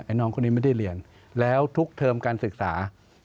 น้องคนนี้ไม่ได้เรียนแล้วทุกเทอมการศึกษา